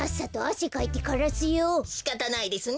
しかたないですね。